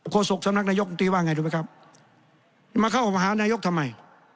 โศกสำนักนายกมตรีว่าไงรู้ไหมครับมาเข้ามาหานายกทำไม